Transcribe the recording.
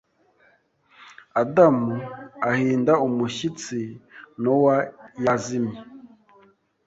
Adam ahinda umushyitsi Nowa yazimye